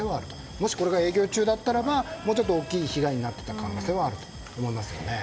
もし営業中だったらもう少し大きな被害になっていた可能性はあると思いますよね。